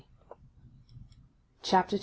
CHAPTER II.